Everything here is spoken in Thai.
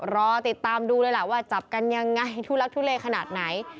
รอติดตามดูเลยล่ะว่าจับกันยังไงทุลักทุเลขนาดไหน